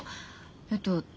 えっと